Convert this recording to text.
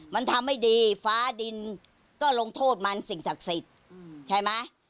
มันทำให้ดีฟ้าดินก็ลงโทษมันสิ่งศักดิ์สิทธิ์ใช่ไหม